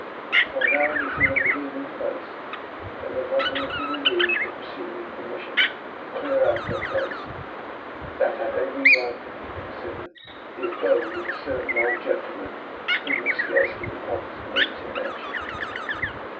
If I know anything of the human face, they were not a little relieved at receiving permission to clear out of a place that had every right to be con sidered the abode of a certain Old Gentleman whom it scarcely becomes me to mention.